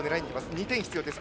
２点が必要です。